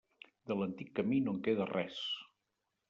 De l'antic camí no en queda res.